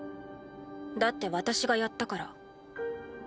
だって私がやったから。